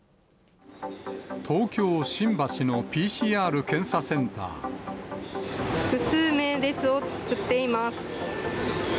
東京・新橋のＰＣＲ検査セン複数名、列を作っています。